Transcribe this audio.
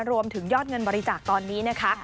รวมถึงยอดเงินบริจาคตอนนี้นะคะ